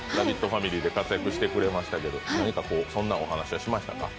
ファミリーで活躍してくれましたけど何かそんなお話はしました？